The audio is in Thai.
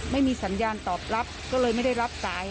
ไม่มีสัญญาณตอบรับก็เลยไม่ได้รับสาย